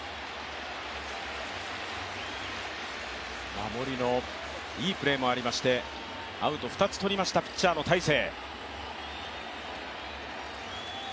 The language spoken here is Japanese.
守りのいいプレーもありましてアウト２つとりましたピッチャーの大勢。